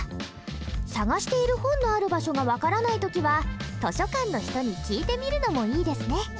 探している本のある場所が分からない時は図書館の人に聞いてみるのもいいですね。